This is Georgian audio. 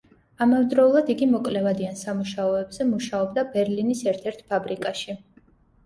ამავდროულად იგი მოკლევადიან სამუშაოებზე მუშაობდა ბერლინის ერთ-ერთ ფაბრიკაში.